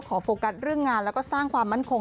โฟกัสเรื่องงานแล้วก็สร้างความมั่นคง